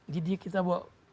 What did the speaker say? didik kita bawa